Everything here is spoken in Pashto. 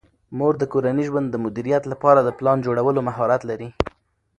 مور د کورني ژوند د مدیریت لپاره د پلان جوړولو مهارت لري.